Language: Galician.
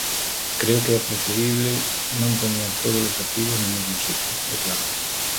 Creo que é preferíbel non poñer todos os activos no mesmo sitio, declarou.